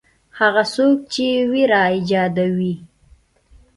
هغه څوک چې وېره ایجادوي.